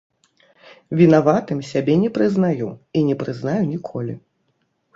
Вінаватым сябе не прызнаю і не прызнаю ніколі.